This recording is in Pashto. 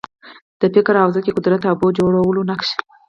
د فکر حوزه کې قدرت تابو جوړولو نقش